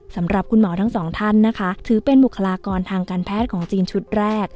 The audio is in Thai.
สำหรับคุณหมอทั้งสองท่านนะคะถือเป็นบุคลากรทางการแพทย์ของจีนชุดแรก